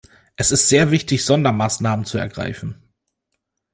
Es ist sehr wichtig, Sondermaßnahmen zu ergreifen.